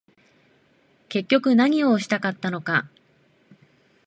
結局何をしたかったのか